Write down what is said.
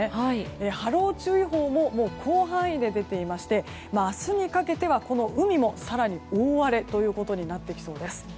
波浪注意報も広範囲で出てまして明日にかけては海も更に大荒れになってきそうです。